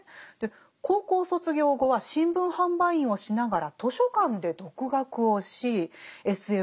高校卒業後は新聞販売員をしながら図書館で独学をしＳＦを書いていったと。